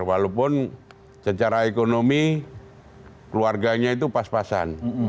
walaupun secara ekonomi keluarganya itu pas pasan